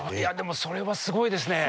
それはすごいですね。